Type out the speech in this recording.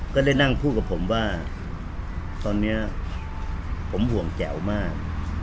ก็ได้นั่งพูดกับผมว่าตอนนี้ผมห่วงแจ๋วมาก